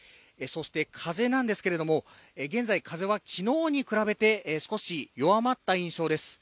そして風なんですけれども現在風はきのうに比べて少し弱まった印象です